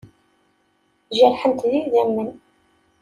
Jerḥent d idammen.